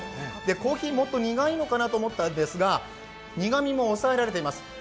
コーヒーもっと苦いのかなと思ったんですが、苦みも抑えられています。